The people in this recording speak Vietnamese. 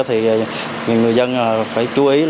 thì người dân phải chú ý